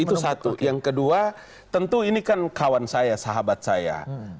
itu satu yang kedua tentu ini kan kawan saya sahabat saya